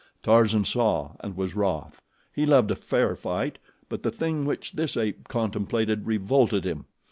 Tarzan saw and was wroth. He loved a fair fight, but the thing which this ape contemplated revolted him.